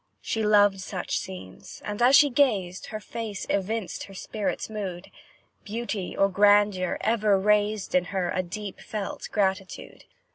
She loved such scenes, and as she gazed, Her face evinced her spirit's mood; Beauty or grandeur ever raised In her, a deep felt gratitude.